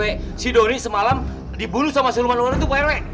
bener pak rw si doni semalam dibunuh sama seluman ular itu pak rw